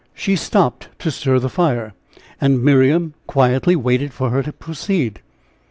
She stopped to stir the fire, and Miriam quietly waited for her to proceed.